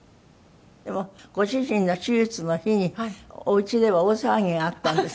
でもご主人の手術の日におうちでは大騒ぎがあったんですって？